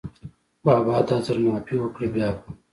بابا دا ځل معافي وکړه، بیا به …